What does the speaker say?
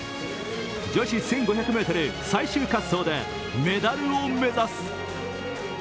女子１５００ｍ最終滑走でメダルを目指す。